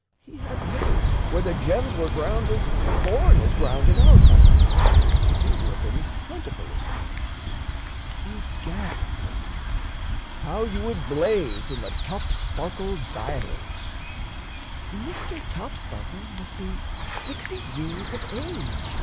He had mills where the gems were ground as corn is ground in our country, and seem to have been as plentiful as corn. Egad, Lady Judith, how you would blaze in the Topsparkle diamonds!" "Mr. Topsparkle must be sixty years of age!"